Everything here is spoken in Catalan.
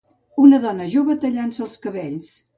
Una dona jove tallant-se els cabells.